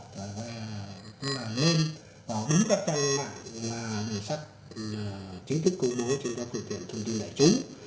và cũng là nên bảo đúng các trang mạng mà đường sắt chính thức cố bố trên các cửa tiện thông tin đại chúng